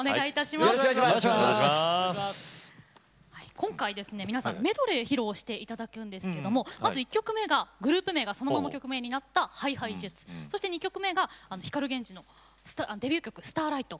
今回、皆さんメドレーを披露していただくんですけれどもまず１曲目がグループ名がそのまま曲名になった「ＨｉＨｉＪｅｔｓ」２曲目が光ＧＥＮＪＩのデビュー曲